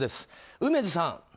梅津さん。